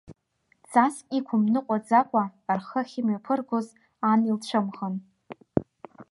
Ҵаск иқәымныҟәӡакәа, рхы ахьымҩаԥыргоз ан илцәымӷын.